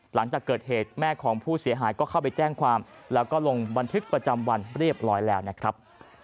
หลังจากเกิดเหตุแม่ของผู้เสียหายก็เข้าไปแจ้งความแล้วก็ลงบันทึกประจำวันเรียบร้อยแล้วนะครับ